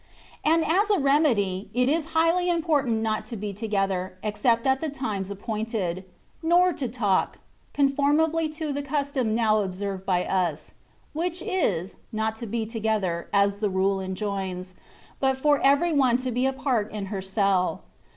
And as a remedy, it is highly important not to be together, except at the times appointed ; nor to talk, conformably to the custom now observed by us ; which is, not to be together (as the rule enjoins), but for every one to be apart in her cell.